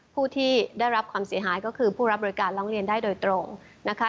ผู้ที่ได้รับความเสียหายก็คือผู้รับบริการร้องเรียนได้โดยตรงนะคะ